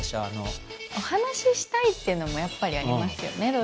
あのお話ししたいっていうのもやっぱりありますよね